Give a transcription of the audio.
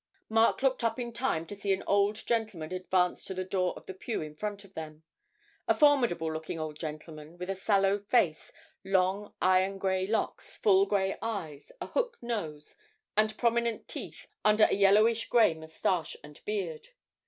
Mark looked up in time to see an old gentleman advance to the door of the pew in front of them a formidable looking old gentleman, with a sallow face, long iron grey locks, full grey eyes, a hook nose, and prominent teeth under a yellowish grey moustache and beard.